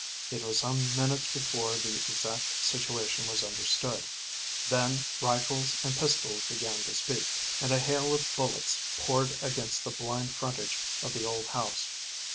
It was some minutes before the exact situation was understood. Then rifles and pistols began to speak, and a hail of bullets poured against the blind frontage of the old house.